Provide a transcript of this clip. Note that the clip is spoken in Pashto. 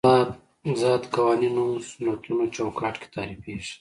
ذات قوانینو سنتونو چوکاټ کې تعریفېږي.